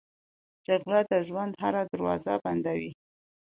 جګړه د ژوند هره دروازه بندوي